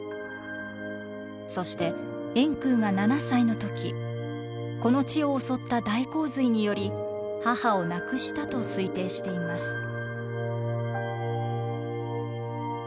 そして円空が７歳の時この地を襲った大洪水により母を亡くしたと推定しています。